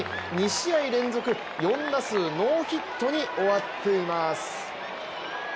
２試合連続４打数ノーヒットに終わっています。